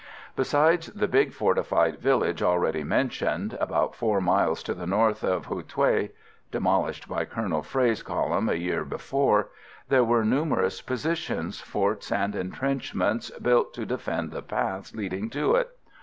Besides the big fortified village already mentioned, about 4 miles to the north of Hou Thué (demolished by Colonel Frey's column a year before), there were numerous positions, forts and entrenchments built to defend the paths leading to it.